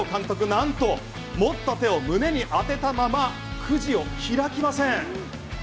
なんと持った手を胸に当てたままくじを開きません。